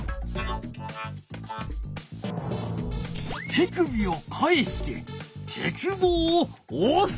手首を返して鉄棒をおす。